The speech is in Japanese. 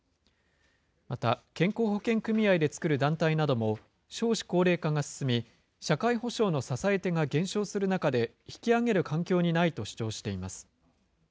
また、健康保険組合でつくる団体なども、少子高齢化が進み、社会保障の支え手が減少する中で、引き上げる環境にないと主張しています。